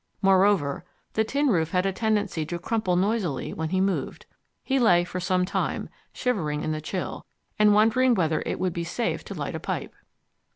Moreover, the tin roof had a tendency to crumple noisily when he moved. He lay for some time, shivering in the chill, and wondering whether it would be safe to light a pipe.